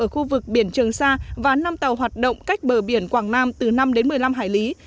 ở khu vực biển trường sa và năm tàu hoạt động cách bờ biển quảng nam từ năm đến một mươi năm hải lý